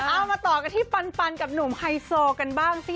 เอามาต่อกันที่ปันกับหนุ่มไฮโซกันบ้างสิ